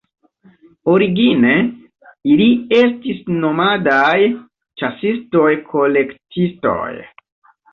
Origine, ili estis nomadaj, ĉasistoj-kolektistoj.